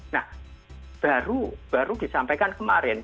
nah baru disampaikan kemarin